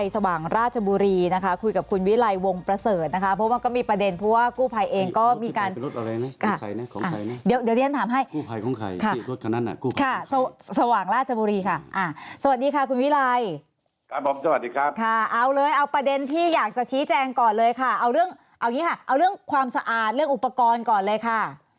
สวัสดีนะคะคุณวิไลครับผมสวัสดีครับค่ะเอาเลยเอาประเด็นที่อยากจะชี้แจงก่อนเลยค่ะเอาเรื่องเอาอย่างนี้ค่ะเอาเรื่องความสะอาดเรื่องอุปกรณ์ก่อนเลยค่ะ